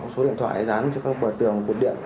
số điện thoại dán cho các bờ tường bột điện